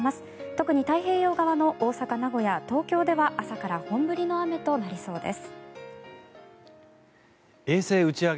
特に太平洋側の大阪、名古屋、東京では朝から本降りの雨となりそうです。